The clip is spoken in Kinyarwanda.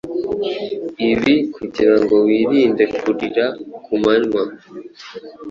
Ibi kugirango wirinde kurira kumanywa,